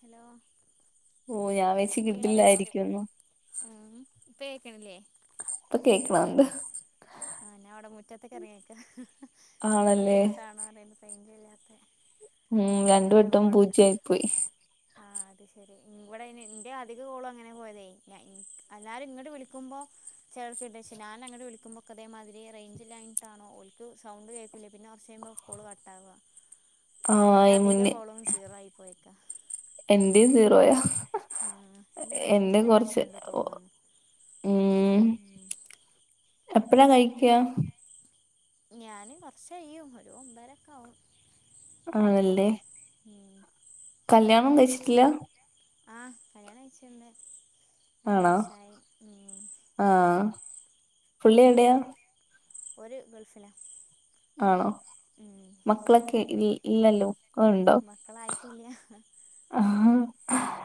Hello ഓ ഞാൻ വെച്ച് കേൾക്ക്ണ്ടോ കിട്ടില്ലായിരിക്കുംന്ന് ഏം ഇപ്പ കേക്ക്ണ്‌ല്ലേ ഇപ്പൊ കേക്ക്ണ്ണ്ട് ആഹ് ഞാൻ ഇവടെ മുറ്റത്ത്ക്ക് എറങ്ങിനിക്ക ആണല്ലേ ഉള്ളിര്ന്നിട്ടാണോ അറിയൂല റേഞ്ച് ഇല്ലാത്തെ ഉം രണ്ടു വെട്ടം പൂജ്യയി പോയി ആഹ് അത് ശരി ഇവടെയിനെ ഇന്റെ അധിക കോളും അങ്ങനെ പോയതേ ഇൻക്ക് എല്ലാരും ഇങ്ങട്ട് വിളിക്കുമ്പോ [unintelligible] ഞാന് അങ്ങട്ട് വിളുമ്പോക്കെ ഇതേമാതിരി റേഞ്ചില്ലായിട്ടാണോ ഓല്ക്ക് സൗണ്ട് കേക്കുല്ല പിന്നെ കൊറച്ചയ്യുമ്പം കോള് കട്ടാവ [inaudible] കുറെ ഇന്റെ അധിക മുന്നേ കോളും സീറൊ ആയി പോയക്കാ എന്റെയും സീറോയാ ആഹ് ഇത് എന്റെ റേഞ്ചിന്റെ കൊറച്ച് പ്രശ്നണ്ട് തോന്ന്ന്നു ഉം മ്മ് എപ്പഴാ കഴിക്ക്യാ ഞാന് കൊറച്ചയ്യും ഒരു ഒമ്പേരേക്കാവും അങ്ങനെ മ്മ് കല്ല്യാണം കഴിച്ചിട്ടില്ല ആഹ് കല്യാണം കഴിച്ചിണ്ട് രണ്ട് ആണോ വർഷായി ഉം ആഹ് പുള്ളി എവ്ട്യാ ഓര് ഗൾഫിലാ ആണോ ഉം മക്കളൊക്കെ ഇനി ഇല്ലല്ലോ ഉണ്ടോ മക്കളായിട്ടില്ല ആഹ് ഉം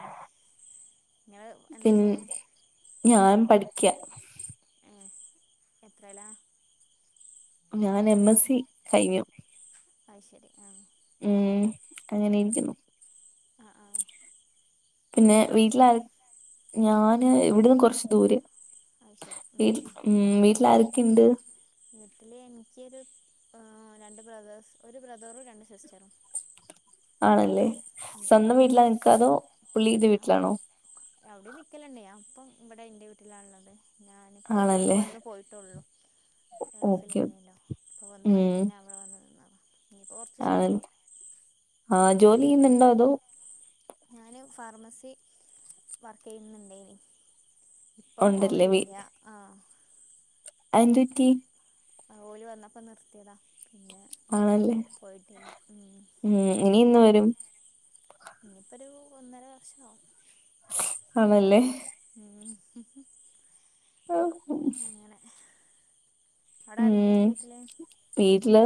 ഇങ്ങള് എന്താ പിൻ ചെയ്യണേ ഞാൻ പഠിക്ക്യാ ഏഹ് എത്രേലാ ഞാന് എംഎസ്സി കഴിഞ്ഞു അത് ശരി ആഹ് മ്മ് അങ്ങനെയിരിക്കുന്നു ആഹ് ആഹ് പിന്നെ എവിടെ വീട്ടിലാരൊ പഠിച്ചീനി ഞാന് ഇവട്ന്ന് കൊറച്ച് ദൂരെ അത് ശരി ഉം വീ ഉം വീട്ടിലാരെക്കെ ഇണ്ട് വീട്ടില് എനിക്ക്യേരു ഏ രണ്ട് ബ്രദേഴസ് ഒരു ബ്രദറും രണ്ട് സിസ്റ്ററും ആണല്ലേ ഉം ഉം സ്വന്തം വീട്ടിലാ നിക്കാ അതോ പുള്ളിടെ വീട്ടിലാണോ അവടിം നിക്കല്ണ്ട് ഞാൻ ഇപ്പം ഇബടെ ഇന്റെ വീട്ടിലാള്ളത് ഞാനിപ്പോ ഓല്പ്പോ ആണല്ലേ വന്ന് പോയിട്ടൊള്ളൂ ഓക്കെ ഗൾഫിലേന്യല്ലോ ഇപ്പോ വന്ന് പോയി ഉം ഞാൻ ഇവടെ വന്ന് നിന്നതാ ഇനിയിപ്പോ കൊറച്ചീസയിഞ്ഞാ പോവും ആഹ് ഉം ജോലിയ്യ്ന്ന്ണ്ടോ അതോ ഞാന് ഫാർമസി വർക്കെയ്യ്ന്ന്ണ്ടേനി ഇപ്പം ഉണ്ടല്ലേ പോവലില്ല ആഹ് അത് എന്ത് പറ്റി അത് ഓല് വന്നപ്പം നിർത്തിയതാ പിന്നെ ഇഞ്ഞ് ആണല്ലേ പോയിട്ടില്ല മ്മ് ഉം ഇനി എന്ന് വരും ഇനിപ്പോരു ഒന്നര വർഷാവും ആണല്ലേ മ്മ് അങ്ങനെ അവടെരൊക്കെ ഉം ഇണ്ട് വീട്ടില് വീട്ടില്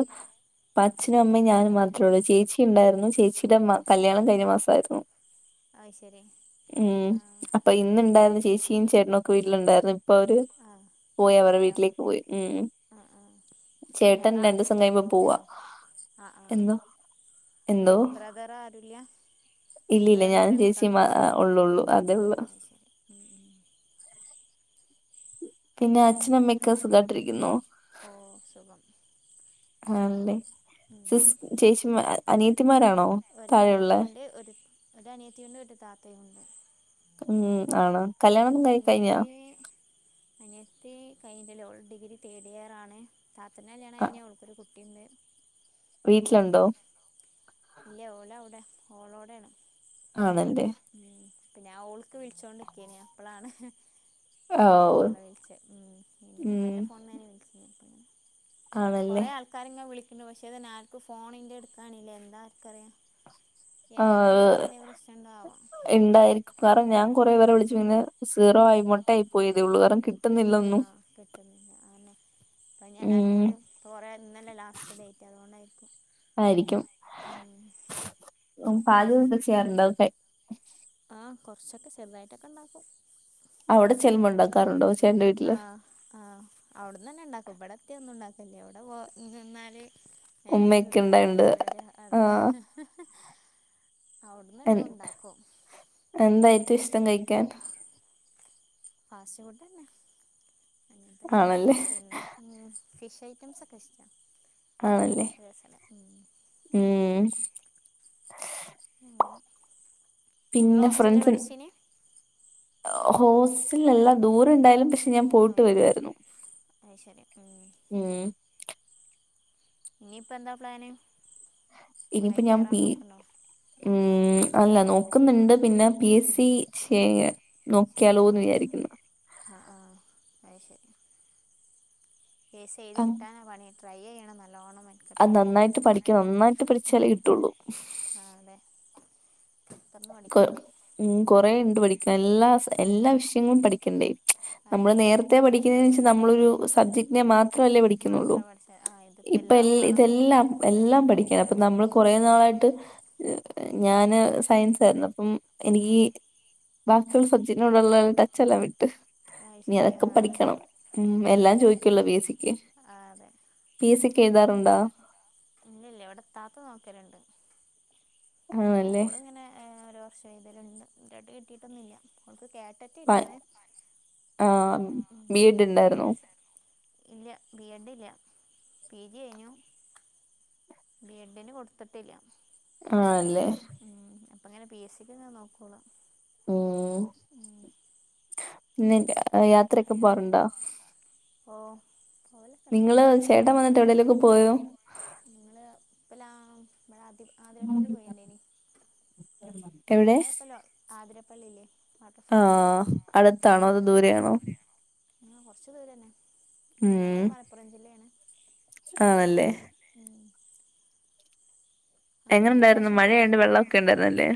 ഇപ്പൊ അച്ഛനും അമ്മയും ഞാനും മാത്രേള്ളൂ ചേച്ചി ഉണ്ടായിരുന്നു ചേച്ചി [unintelligible] കല്യാണം കഴിഞ്ഞ മാസമായിരുന്നു ആഹ് ശരി. ഉം ആഹ് അപ്പൊ ഇന്ന്ണ്ടായിരുന്ന് ചേച്ചിയും ചേട്ടനൊക്കെ വീട്ടിലുണ്ടായിരുന്നു. ഇപ്പവര് ആഹ് പോയി അവരെ പോയോ വീട്ടിലേക്ക് പോയി ഉം. ആഹ് ആഹ് ചേട്ടൻ രണ്ടൂസം കഴിയുമ്പ പോവാ. ആഹ ആഹ് എന്തോ വീ ബ്രദറാരൂല്ല. ഇല്ലി ഇല്ല ഇല്ല ഞാനും ചേച്ചി ഉള്ള്ള്ളൂ അതേ ഉള്ളൂ അത് ഉം ഉം പിന്നെ അച്ഛനമ്മെക്കെ സുഖാട്ടിരിക്കുന്നോ. ഓ സുഖം. ആണല്ലെ ഉം സിസ് ചേച്ചി അനിയത്തിമാരാണോ. താഴെയുള്ളെ ഒരനിയത്തിണ്ട് ഒരനിയത്തിണ്ട് ഒരു താത്തയുണ്ട്. ഉം ആണോ കല്യാണൊന്നും കഴി കഴിഞ്ഞ. അനിയത്തി അനിയത്തി കഴിഞ്ഞിട്ടില്ല ഓൾ ഡിഗ്രി തേഡിയർ ആണ് താത്തന്റ കല്യാണം ആ കഴിഞ്ഞ് ഓൾക്കൊരു കുട്ടി. ഇണ്ട് ഉം വീട്ടിലുണ്ടോ ഇല്ല ഓലവിടെ ഓളോടെണ്. ആണല്ലേ ഉം ഇപ്പൊ ഞാൻ ഓൾക്ക് വിളിച്ചോണ്ടിക്കേനി അപ്പളാണ്. ഓ ഇങ്ങളെ വിളിച്ചെ ഉം ഇന്റെമ്മന്റെ ഫോണ്ന്നേനി വിളിച്ചിനെ ആണല്ലേ കുറെ ആൾ. ആക്കാരിങ്ങനെ വിളിക്ക്ണ്ട് പക്ഷേ ആര്ക്കും ഫോണിന്റെ എടുക്കാണില്ലാ എന്താ ആർക്കറിയാ. ആ പ്രശ്നമുണ്ടോ ആവോ ഇണ്ടായിരിക്കും കാരണം ഞാൻ കൊറെേ ഉം പേരെ വിളിച്ചു പിന്നെ. സീറോ ആയി മൊട്ടായി പോയതേ ഉള്ളൂ കാരണം കി ആഹ് കിട്ടുന്നില്ല അയന്നെ അപ്പഞ്ഞി എല്ലാരും ഉം കൂടി. പ്പ കൊറേ ഇന്നല്ലേ ലാസ്റ്റ് ഡേറ്റ് അതുകൊണ്ടായിരിക്കും. ആയിരിക്കും ഉം ഉം പാല് ക്കെ ചെയ്യാറുണ്ടോ. ആ കൊറച്ചൊക്കെ ചെറുതായിട്ടൊക്കെണ്ടാക്കും. അവിടെ ചെല്ലുമ്പോ ഇണ്ടാക്കാറുണ്ടോ. ആഹ്. ആഹ് അവിട്ന്നന്നെണ്ടാക്കും ഇവിടെത്തിയ ഒന്നും ഇണ്ടാക്കല്ല്യ ഇവിടെ നിന്നാല്. നേരത്തിന് ഉമ്മയൊക്കെ തിന്നാ ഉണ്ടായോണ്ട് നീച്പോര അതെ. ആഹ് അവുട്ന്ന് എ എല്ലോ ഉണ്ടാക്കും. എന്താ ഏറ്റോം ഇഷ്ടം കഴിക്കാൻ? ഫാസ്റ്റ് ഫുഡന്നെ അങ്ങനെതൊക്കെ ആണല്ലേ പിന്നെ. ഉം ഫിഷ് ഐറ്റംസൊക്കെ ഇഷ്ടാ. ആണല്ലേ രസമാണ് ഉം ഉം. അങ്ങനെ ഇങ്ങള് പിന്നെ ഹോസ്റ്റലിലാ പഠിച്ചീനി ഹോസ്സിലിലല്ല ദൂരം ഇണ്ടായാലും പക്ഷെ ഞാൻ പോയിട്ട് ആഹ് വരുആയിരുന്നു. അത് ശരി ഉം ഉം ഇനി ഇപ്പോ എന്താ പ്ലാന് എവിടേം ഇനിയിപ്പോ ഞാൻ കേറാൻ പി നോക്ക്ണ്ടൊ ഉം അല്ല നോക്കുന്നുണ്ട് പിന്നെ. പി എസ് ഉം സി ഷേയർ ചെയ്യണ്ടോ നോക്കിയാലോന്ന് വിചാരിക്കുന്നു. ആ ആ അഹ് ശരി. പി എസ് സി അ- എഴുതിക്കിട്ടാനാണ് പണി ട്രൈയെയ്യണം നല്ലോണം. അത് മെനക്കെട്ട് നന്നായിട്ട് പഠിക്കണം നന്നായിട്ട് ഉം പഠിച്ചാലേ കിട്ടുള്ളൂ. ആ അതെ. തുടർന്ന് കൊ പഠിക്കണം കൊറെണ്ട് പഠിക്കാൻ എല്ലാ സ. എല്ലാ ഉം വിഷയങ്ങളും പഠിക്കണ്ടേ നമ്മള് അതെ നേരത്തെ പഠിക്കുന്നേവെച്ച നമ്മളൊരു സബ്ജക്റ്റിനെ മാ. ത്രല്ലേ പഠിക്കുന്നുള്ളൂ മാത്രം പഠിച്ച ആ ഇതിപ്പോ ഇപ്പം എല്ലാം വേണം നോക്കാം ഇതെല്ലാം. എല്ലാം പഠിക്കണം അപ്പ നമ്മള് കൊറെ ഉം നാളായിട്ട് ഉം ഞാന് സയൻസ് ആയിരുന്നു അപ്പം. എനിക്ക് ഉം ബാക്കിയുള്ള സബ്ജറ്റിനോടുള്ള ടച്ച് എല്ലാം വിട്ട്. അത് ഇനി ശരി അതൊക്കെ ആ പഠിക്കണം ഉം എല്ലാം അതെ ചോദിക്കുമല്ലോ ബേസിക്കെ. ആ അതെ പി എസ് സി യൊക്കെ എഴുതാറുണ്ടോ? ഇന്നില്ല ഇവിടെ തത്ത് നോക്കലുണ്ട്. ആണല്ലേ ഓള് ഇങ്ങനെ ഏഹ് ഒരു വർഷം എഴുതലുണ്ട്, എന്നിട്ട് കിട്ടിയൊന്നുമില്ല, ഓൾക്ക് കാറ്റ എനിക്ക് കിട്ടിയേനെ ആഹ് ആഹ് ഉം. ബി എഡ് ഉണ്ടായിരുന്നോ ഇല്ല ബി എഡ് ഇല്ല പി ജി കഴിഞ്ഞു. ബി എഡ് കൊടുത്തിട്ടില്ല. ആഹ് അല്ലേ. ഉം അപ്പ അങ്ങനെ പി എസ് സി ക്ക് അങ്ങനെ നോക്കോളാം ഉം. ഇന്നില്ല യാത്രയൊക്കെ പോവാറുണ്ടോ? ഓ നിങ്ങള് ചേട്ടൻ വന്നിട്ട് എവിടേലും ഒക്കെ പോയോ? ഞങ്ങള് ഇപ്പൊ ലാ ഇവിടെ ആതി ആതിരപ്പള്ളി പോയിണ്ടേനി. [unintelligible] എവിടെ അങ്ങോട്ട് ആക്കല് എവിടെ ആതിരപ്പള്ളില്ലേ. ആഹ് അടുത്താണോ അതോ ദൂരെയാണോ? ആഹ് കൊറച്ച് ദൂരെത്തന്നെ, ഞങ്ങള് ഉം ഇവിടെ മലപ്പുറം ജില്ല ആണ്. ആണല്ലേ? ഞാൻ അങ്ങോട്ട് ഈ എങ്ങനെണ്ടായിരുന്നു പ്രാവശ്യം മഴയായോണ്ട് പോയിട്ടൊള്ളൂ. വെള്ളമൊക്കെ ഉണ്ടായിരുന്നല്ലേ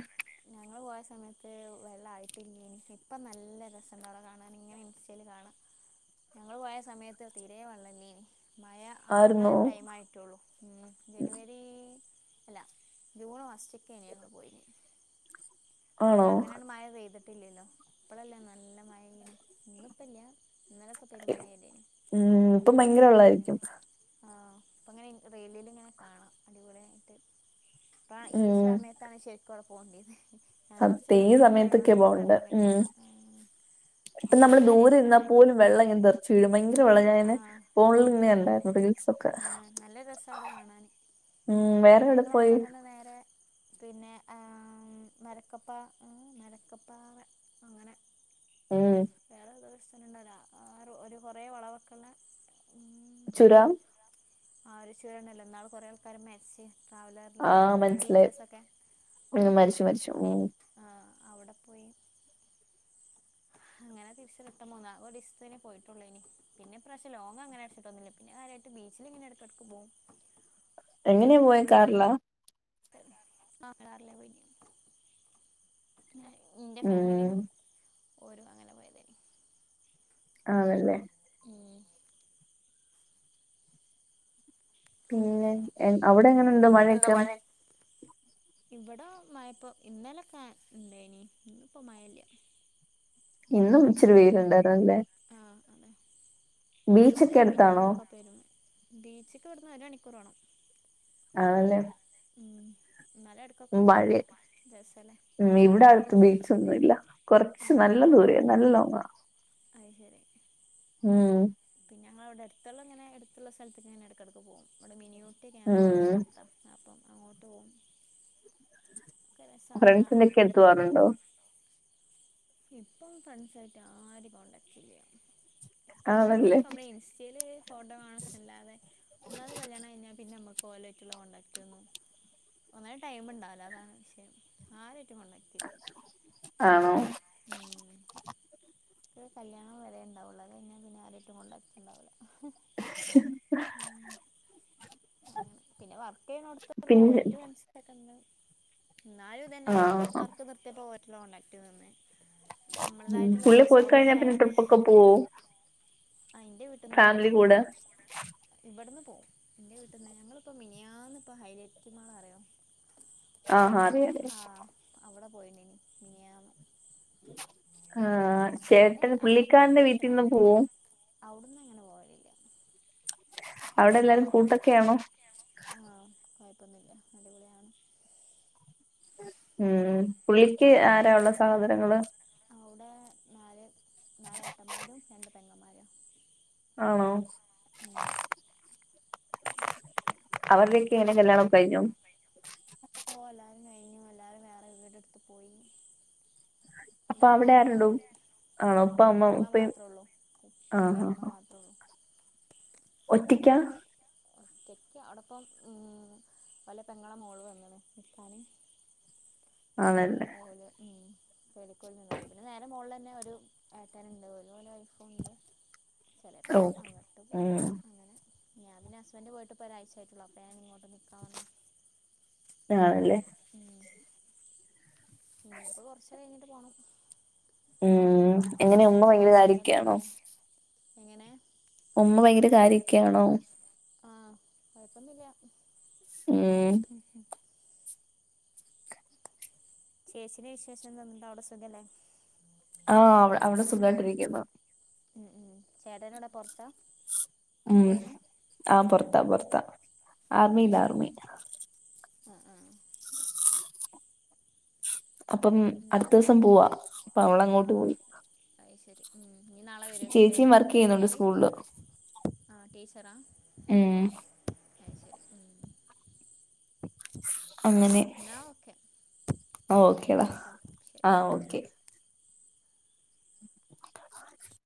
ഞങ്ങള് പോയേ സമയത്ത് വെള്ളായിട്ടില്ലേനി ഇപ്പ നല്ല രസയുണ്ട് അവിടം കാണാന് ഇങ്ങനെ. ഇൻസ്റ്റായില് കാണാം, ഞങ്ങള് പോയ സമയത്ത് തീരെ വെള്ളയില്ലെനി. മഴയാവണെ ആയിരുന്നോ ഒരു ടൈം ആയിട്ടുള്ളൂ ഇനി ജനുവരി. അല്ല ജൂൺ ഫസ്റ്റ്ക്കെ തന്നെയാ ഞങ്ങൾ പോയേനി. അപ്പൊക്കെ ആണോ അങ്ങനെയാണ് മഴ പെയ്തിട്ടില്ലല്ലോ, ഇപ്പോഴല്ലേ നല്ല മഴ ഇങ്ങനെ ഇന്നിപ്പോ ഇല്ല. ഉം ഇപ്പൊ ഭയങ്കര ഉം വെള്ളമായിരിക്കും. ആഹ് അപ്പ ഇങ്ങനെ റീലില് ഇങ്ങനെ കാണാം, അടിപൊളിയായിട്ട് ഇപ്പ ഈ ഉം സമയം. ത്താണ് ശരിക്കും അവിടെ പോകേണ്ടത്. സത്യ ഈ സമയത്തൊക്കെ പോവണ്ടേ ഉം. ഉം ഇപ്പം ഒന്നും നമ്മള് ദൂരെ കാര്യായിട്ട് നിന്നാൽ കാണാൻ കഴിഞ്ഞില്ല പോലും വെള്ളം ഇങ്ങനെ തെറിച്ചു വീഴും, ഭയങ്കര വെള്ളം ഞാൻ ഇങ്ങനെ ആഹ് ഫോണില് ഇന്ന് അതന്നെ കണ്ടായിരുന്നു റീൽസ്. ആഹ് നല്ല രസവാണ് അവിടെ കാണാന്, ഉം വേറെ പിന്നെ എവിടെ ഞങ്ങള് പോയി അവിടുന്ന് അങ്ങ് നേരെ. പിന്നെ ആഹ് മരക്കപ്പാ മരക്കപ്പാറ അങ്ങനെ. ഉം വേറെയെതോ സ്ഥലണ്ടല്ലോ, ആഹ് ഒരു കൊറെ വളവുയൊക്കെ ഉള്ള. ഇതാ ആഹ് ഒരു ചുരു ചുരണ്ടല്ലോ, ഇന്നാള് കൊറെ ആൾക്കാര് മെരിച്ച. ട്രാവലറില് ആഹ് മനസ്സിലായി ടീച്ചേർസ് ഒക്കെ ഉം മരിച്ചു ആഹ്. മരിച്ചു ഉം ആഹ് അവിടെ പോയി. അങ്ങനെ തിരിച്ച് റിട്ടേൺ പോന്ന് ഒരു ദിവസത്തേന് പോയിട്ടുള്ളേനി. പിന്നെ ഇപ്രാവശ്യം ലോങ്ങ്‌ അങ്ങനെ അടച്ചിട്ടൊന്നുല്ല പിന്നെ കാര്യായിട്ട് ബീച്ചില് ഇങ്ങനെ ഇടയ്ക്കിടയ്ക്ക് പോവും. എങ്ങനെയാ പിന്നെ പോയെ ഇവിടെ അടുത്ത് കാറിലാ [unintelligible] പോയി. പിന്നെ ഇന്റെ ഫാമിലിയും ഉം ഓരും അങ്ങനെ പോയയേനി. ആണല്ലേ? ഉം പിന്നെ അങ്ങനെ ഏഹ് അവിടെ എങ്ങനുണ്ട് മഴയൊക്കെ? ഇവിടെ മഴയിപ്പോ ഇന്നലെ ക ഇണ്ടെനി ഇപ്പൊ മഴയില്ല. ഇന്നും ഇച്ചിരി വെയിൽ ഉണ്ടായിരുന്നു അല്ലേ? ആഹ് ബീച്ചൊക്കെ ഇന്നലെയും അടുത്താണോ മിനിഞ്ഞാന്നും ഒക്കെ പെയ്തു. ബീച്ചിക്ക് ഇവിടുന്ന് ഒരു മണിക്കൂറ് വേണം. ആണല്ലേ? ഉം ഇന്നാലും എട്ക്കൊക്കെ മഴ പോവും തെ സ്സല്ലേ ഉം ഇവിടെ അടുത്ത് ബീച്ചൊന്നും ഇല്ല കൊറച്ച് നല്ല ദൂരെയാ നല്ല ലോങ്ങാ അയ് ശരി ഉം പിന്നെ ഞങ്ങളിവിടെ അടുത്തുള്ള ഇങ്ങനെ എടുത്തുള്ള സ്ഥലത്തെക്കങ്ങനെ എടക്കടക്ക് പോവും ഇവിടെ മിനിയൂട്ടിക്കെ ഞങ്ങക്ക് ഉം കൊറച്ചടുത്താ അപ്പം അങ്ങോട്ട് പോവും ഫ്രണ്ട്സിന്റെ കാണാൻ ഒക്കെ എടുത്തുപോവാറുണ്ടോ? ഇപ്പം ഫ്രണ്ട്സായിട്ട് ആരേം കോൺടാക്ട് ഇല്ല ആണല്ലേ എപ്പെളെങ്കിലൊക്കെ ഇൻസ്റ്റേല് ഫോട്ടോ കാണുന്നല്ലാതെ ഒന്നാത് കല്യാണം കഴിഞ്ഞാ പിന്നെ നമ്മക്ക് ഓലായിറ്റുള്ള കോൺടാക്ട് ഒന്നും ഒന്നാമത് ടൈം ഇണ്ടാവില്ലാ അതാണ് വിശയം ആരുമായിറ്റും കോണ്ടാക്ട് ഇല്ല ആണോ? ഉം ക്കെ കല്യാണം വരെ ഇണ്ടാവുള്ളൂ അത് കഴിഞ്ഞാ പിന്നെ ആരുവായിട്ടും കോൺടാക്ട് ഇണ്ടാവില്ല ആഹ് ഉം അങ്ങനെ പിന്നെ വർക്ക് ചെയ്യ്ന്നോടത്ത് ഇള്ള പിന്നെ ഓലായിറ്റ് ഫ്രണ്ട്‌സ് ക്കണ്ട് ഇന്നാലും ഇതന്നെ ആഹ് ഇപ്പം ആഹ് വർക്ക് നിർത്തിയപ്പോ ഓരായിറ്റ്ള്ള കോണ്ടാക്ടും നിന്ന് ഉം ഞമ്മളതായിട്ടുള്ള പുള്ളി ഓരോ പോയി കഴിഞ്ഞാ [unintelligible] പിന്നെ യോണ്ട് ട്രിപ്പൊക്കെ പോവോ ആഹ് ഇന്റെ വീട്ടന്ന് പോവും ഫാമിലി കൂടെ ഞങ്ങള് ഇവിടുന്ന് പോവും ഇന്റെ വീട്ടിന്ന് ഞങ്ങളിപ്പോ മിനിയാന്ന് ഇപ്പ ഹൈലൈറ്റ്മാൾ അറിയോ? ആഹ് അറിയാ അറിയാം ആഹ് അവിടെ പോയിണ്ടായിനി മിനിയാന്ന് ആഹ് അങ്ങനെ ചേട്ടൻ അതൊക്കെ ഞങ്ങൾക്ക് പുള്ളിക്കാരന്റെ വീട്ടിന്ന് പരിസരത്താണ് പോവും? അവിടുന്ന് ഇങ്ങനെ പോകലില്ല അവിടെ എല്ലാവാരും കൂട്ടൊക്കെയാണോ? ആഹ് കൊഴപ്പൊന്നുല്ല അടിപൊളിയാണ് ഉം പുള്ളിക്ക് ആരാ ഒള്ളെ സഹോദരങ്ങള്? അവുടെ നാല് നാലേട്ടന്മാരും രണ്ട് പെങ്ങന്മാരും ആണോ? ഉം. അവരുടെയൊക്കെ എങ്ങനെ കല്യാണം ഒക്കെ കഴിഞ്ഞോ? ഓഹ് എല്ലാരേം കയിഞ്ഞു എല്ലാരും വേറെ വീടെടുത്ത് പോയി അപ്പൊ എല്ലാരും അവിടെ വേറെ വേറെ ആരുണ്ടു പോയി ആണോ ഉപ്പ അമ്മ ഉമ്മ ഉപ്പയും മാത്രോ ഉള്ളൂ ഉപ്പ ആഹ് ഇല്ല ഇമ്മ മാത്രേള്ളു ഒറ്റയ്ക്കാ ഒറ്റയ്ക്ക് ആണിപ്പം ഉം ഓലെ പെങ്ങളെ മോള് വന്നണ് നിക്കാന് ആണല്ലേ ഓലെ ഉം [unintelligible] നോക്കും പിന്നെ നേരെ മോളിലെന്നെ ഒരു ഏട്ടന്ണ്ട് ഓലും ഓലെ വൈഫുണ്ട് ചെലപ്പം ഓക്കെ അങ്ങട്ട് പോകും ഉം അങ്ങനെ ഞാൻ പിന്നെ ഹസ്ബന്റ് പോയിട്ടിപ്പോ ഒരാഴ്ച്ചയായിട്ടുള്ളൂ അപ്പോ ഞാൻ ഇങ്ങോട്ട് നിക്കാൻ വന്നയാ ആണല്ലേ ഉ ഉം ഇനി ഇപ്പൊ കൊറച്ചഴിഞ്ഞിട്ട് പോണം ഉം ഞാൻ എങ്ങനെയാ ഉമ്മ രണ്ടു ഭയങ്കര മാസം അവിടെ കാര്യൊക്കെയാണോ? നിന്നില്ലേ എങ്ങനെ? ഉമ്മ ഭയങ്കര കാര്യൊക്കെയാണോ? ആഹ് കൊഴപ്പൊന്നുല്ല ഉം ഉഹ് ഉഹ് ചേച്ചിടെ വിശേഷം എന്താ ഇന്നിട്ട് അവിടെ സുഖല്ലേ? ആഹ് അവ് അവിടെ സുഖായിട്ടിരിക്കുന്നു ഉം ഉം ചേട്ടനവ്ടെ പൊറത്താ ഉം വർക്ക് ചെയ്യണേ ആഹ് ഉം പൊറത്താ പൊറത്താ അത് ആർമില്ല ശരി ആർമി ആഹ് ആഹ് അപ്പം എന്നാ അടുത്ത ഓക്കെ ദിവസം പോവാ അപ്പവളങ്ങോട്ട് പോയി അയ്ശരി ഉം ഇനി നാളെ വരുയേരിക്കുല്ലേ ചേച്ചിയും വർക്ക് പോയി ചെയ്യുന്നുണ്ട് അയിഞ്ഞാല്. സ്കൂളില് ആഹ് ടീച്ചറാ ഉം അയ്ശരി ഉം അങ്ങനെ എന്നാ ഓക്കെ ഓക്കേടാ ടൈമായിട്ടോ ശരി ആഹ് ഓക്കെ [inaudible]